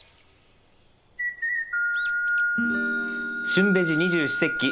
「旬ベジ二十四節気」